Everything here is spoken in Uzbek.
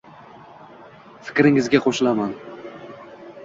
Fikringizga qo'shilaman.